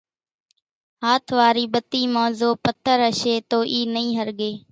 ھاٿ واري ٻتي مان زو پٿر ھشي تو اِي نئي ۿرڳي